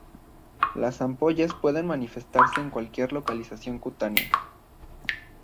Las ampollas pueden manifestarse en cualquier localización cutánea.